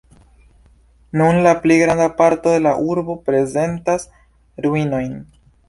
Nun la pli granda parto de la urbo prezentas ruinojn.